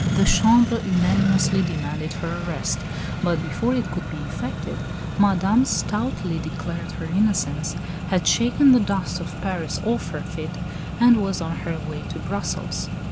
The Chambre unanimously demanded her arrest; but before it could be effected, Madame, stoutly declaring her innocence, had shaken the dust of Paris off her feet, and was on her way to Brussels.